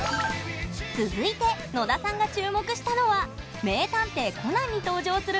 続いて野田さんが注目したのは「名探偵コナン」に登場する